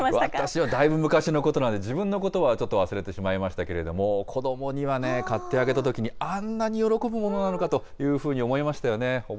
私は、だいぶ昔のことなんで、自分のことは、ちょっと忘れてしまいましたけれども、子どもにはね、買ってあげたときに、あんなに喜ぶものなのかというふうに思いましたよね。